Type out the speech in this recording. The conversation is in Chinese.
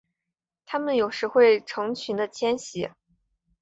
它们有时会成群的迁徙。